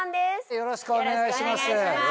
よろしくお願いします。